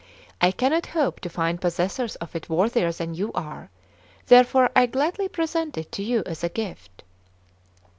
I cannot hope to find possessors of it worthier than you are; therefore I gladly present it to you as a gift."